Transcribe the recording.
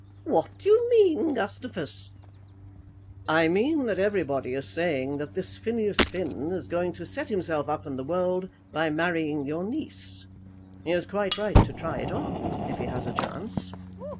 "What do you mean, Gustavus?" "I mean that everybody is saying that this Phineas Finn is going to set himself up in the world by marrying your niece. He is quite right to try it on, if he has a chance."